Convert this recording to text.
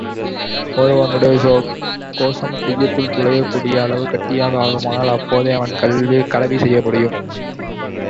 ஒருவனுடைய கோசம் குய்யத்துள் நுழையக் கூடிய அளவு கட்டியாக ஆகுமானால் அப்போதே அவன் கலவி செய்யமுடியும்.